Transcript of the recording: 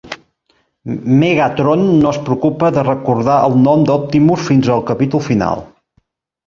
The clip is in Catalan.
Megatron no es preocupa de recordar el nom d'Optimus fins al capítol final.